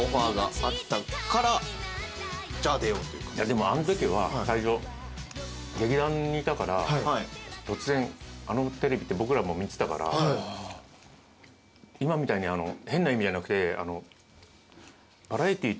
でもあのときは最初劇団にいたから突然あのテレビって僕らも見てたから今みたいに変な意味じゃなくて。